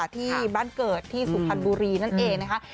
ที่บ้านเกิดที่สุพรรณบุรีนั่นเองนะคะ